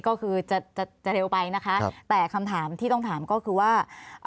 ก็คือจะจะเร็วไปนะคะแต่คำถามที่ต้องถามก็คือว่า